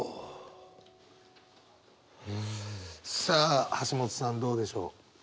さあ橋本さんどうでしょう？